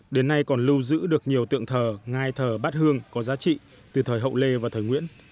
đến nay còn lưu giữ được nhiều tượng thờ ngai thờ bát hương có giá trị từ thời hậu lê và thời nguyễn